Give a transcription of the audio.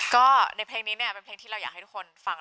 ก็ในเพลงนี้เนี่ยเป็นเพลงที่เราอยากให้ทุกคนฟัง